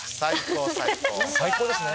最高ですね！